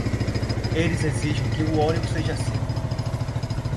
Eles exigem que o óleo seja seu.